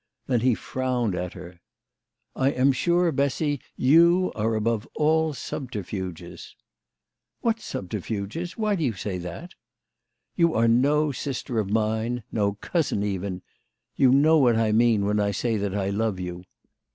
Then he frowned at her. " I am sure, Bessy, you are above all subterfuges." " What subterfuges ? Why do you say that ?"" You are no sister of mine ; no cousin even. You know what I mean when I say that I love you.